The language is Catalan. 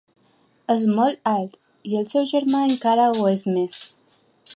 És molt alt, i el seu germà encara ho és més.